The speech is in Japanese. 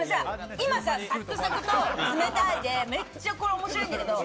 今サクサクと冷たいで、めっちゃ面白いんだけど！